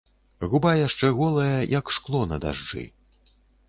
Губа яшчэ голая, як шкло на дажджы.